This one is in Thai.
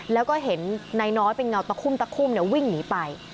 แล้วก็เห็นนายน้อยเป็นเงาตะคุ่มตะคุ่มวิ่งหนีไป